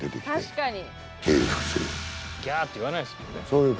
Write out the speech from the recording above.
確かに。